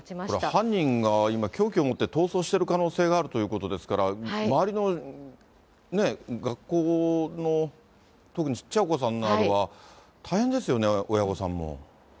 犯人が今凶器を持って逃走している可能性があるということですから、周りの学校の、特にちっちゃいお子さんなどは、大変ですよね、親御さんも。